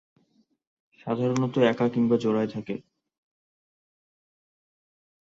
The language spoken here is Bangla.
সাধারণত একা কিংবা জোড়ায় থাকে।